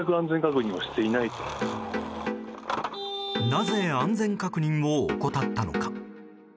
なぜ、安全確認を怠ったのか。